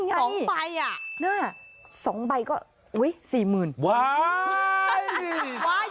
เยอะกว่าคุณชนะถูกอีกเยอะกว่าตั้ง๑๐เท่าเนี่ย